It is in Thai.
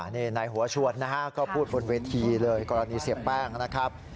นี่นายหัวชวนนะฮะก็พูดบนเวทีเลยกรณีเสียแป้งนะครับ